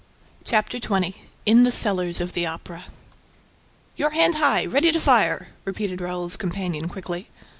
Chapter XX In the Cellars of the Opera "Your hand high, ready to fire!" repeated Raoul's companion quickly.